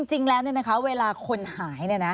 จริงแล้วเนี่ยนะคะเวลาคนหายเนี่ยนะ